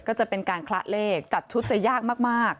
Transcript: จะเป็นการคละเลขจัดชุดจะยากมาก